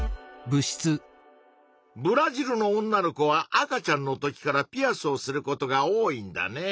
ブラジルの女の子は赤ちゃんの時からピアスをすることが多いんだね。